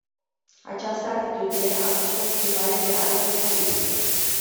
Această atitudine aduce o schimbare reală în politică.